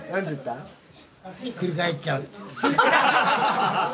ひっくり返っちゃうっていう。